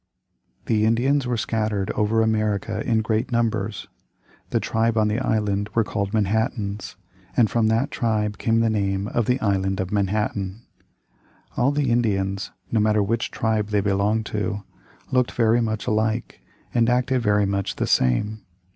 The Indians were scattered over America in great numbers. The tribe on the island were called Manhattans, and from that tribe came the name of the Island of Manhattan. All the Indians, no matter which tribe they belonged to, looked very much alike and acted very much the same.